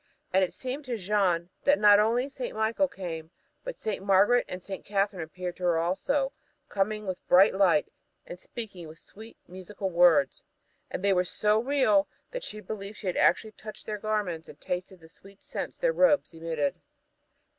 And it seemed to Jeanne that not only St. Michael came, but St. Margaret and St. Catherine appeared to her also, coming with a bright light, and speaking with sweet and musical words. And they were so real that she believed she had actually touched their garments and tasted the sweet scents their robes emitted.